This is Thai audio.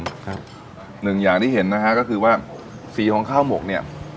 ครับหนึ่งอย่างที่เห็นนะฮะก็คือว่าสีของข้าวหมกเนี่ย